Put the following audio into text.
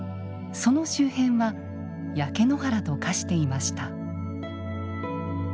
その周辺は焼け野原と化していました。